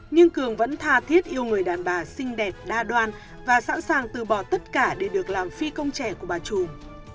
nhưng cường vẫn tha thiết yêu người đàn bà xinh đẹp đa đoan và sẵn sàng từ bỏ tất cả để được làm phi công trẻ của bà trùm